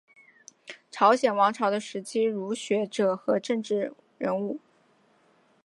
朝鲜王朝的时期儒学者和政治人物。